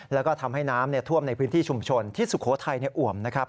แล้วก็ทำให้น้ำท่วมในพื้นที่ชุมชนที่สุโขทัยอ่วมนะครับ